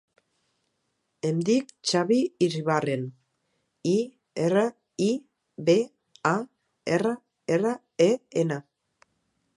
Em dic Xavi Iribarren: i, erra, i, be, a, erra, erra, e, ena.